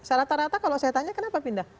serata rata kalau saya tanya kenapa pindah